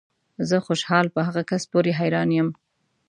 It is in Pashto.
زه خوشحال په هغه کس پورې حیران یم